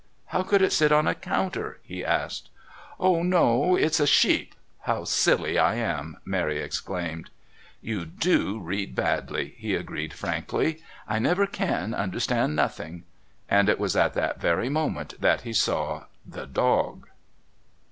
How could it sit on a counter?" he asked. "Oh no, it's a sheep. How silly I am!" Mary exclaimed. "You do read badly," he agreed frankly. "I never can understand nothing." And it was at that very moment that he saw the Dog.